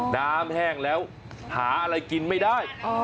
แห้งแล้วหาอะไรกินไม่ได้